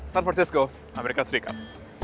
san francisco amerika serikat